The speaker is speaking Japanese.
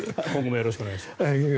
よろしくお願いします。